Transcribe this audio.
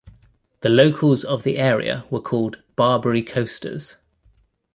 The locals of the area were called "Barbary Coasters".